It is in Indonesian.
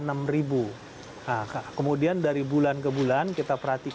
nah kemudian dari bulan ke bulan kita perhatikan